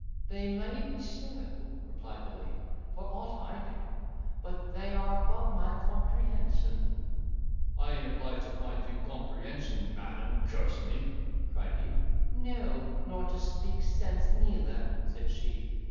"They may be so," replied the lady, "for aught I know, but they are above my comprehension." "I an't obliged to find you comprehension, madam, curse me!" cried he. "No, nor to speak sense neither," said she.